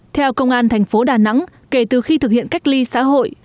theo công an thành phố đà nẵng kể từ khi thực hiện cách ly xã hội